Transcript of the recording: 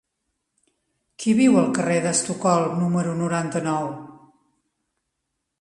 Qui viu al carrer d'Estocolm número noranta-nou?